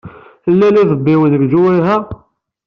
Llan idebbiwen deg leǧwayeh-a?